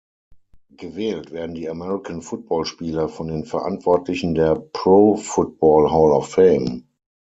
Gewählt werden die American-Football-Spieler von den Verantwortlichen der Pro Football Hall of Fame.